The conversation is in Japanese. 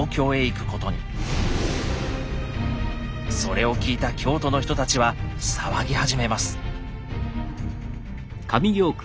それを聞いた京都の人たちは騒ぎ始めます。